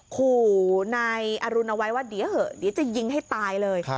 หูในอรุณวัยว่าเดี๋ยวเหอะเดี๋ยวจะยิงให้ตายเลย